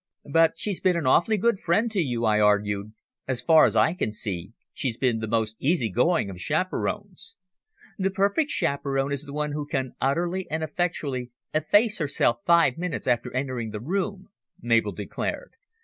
"But she's been an awfully good friend to you," I argued. "As far as I can see, she's been the most easy going of chaperons." "The perfect chaperon is the one who can utterly and effectually efface herself five minutes after entering the room," Mabel declared.